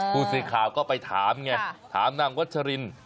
ผู้สื่อข่าวก็ไปถามไงถามนางวัชริน